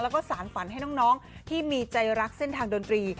แล้วก็สารฝันให้น้องที่มีใจรักเส้นทางดนตรี